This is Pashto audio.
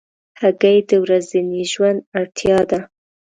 هګۍ د ورځني ژوند اړتیا ده.